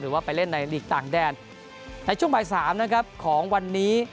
ว่าไปเล่นในหลีกต่างแดนในช่วงบ่ายสามนะครับของวันนี้